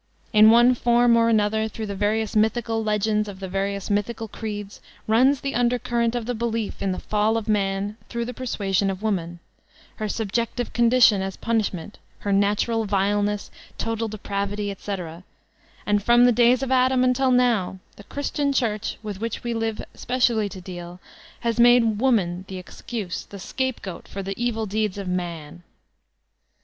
In one form or another through the various mythical legends of the various mythical creeds, runs the undercurrent of the belief in the fall of man through the persuasion of woman, her subjective condition as punishment, her natural vileness, total de* pravity, etc ; and from the days of Adam until now the Christian Church, with which we have specially to deal, has made woman the excuse, the scapegoat for the evil deeds of num.